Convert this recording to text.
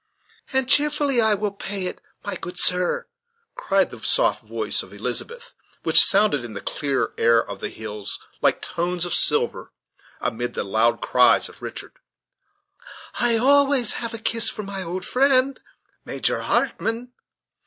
"And cheerfully will I pay It, my good sir," cried the soft voice of Elizabeth; which sounded, in the clear air of the hills. Like tones of silver, amid the loud cries of Richard. "I have always a kiss for my old friend. Major Hartmann."